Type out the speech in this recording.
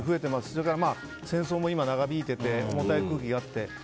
それから戦争も今、長引いていて重たい空気があって。